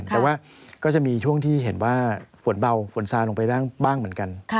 แต่ว่าก็จะมีช่วงที่เห็นว่าฝนเบาฝนซาลงไปบ้างเหมือนกัน